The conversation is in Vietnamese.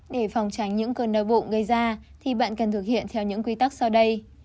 để phòng tránh những cơn đau bụng gây ra thì bạn cần thực hiện theo những quy tắc sau đây